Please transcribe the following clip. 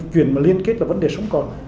chuyện mà liên kết là vấn đề sống còn